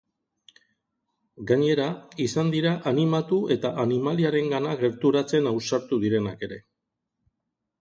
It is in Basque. Gainera, izan dira animatu eta animaliarengana gerturatzen ausartu direnak ere.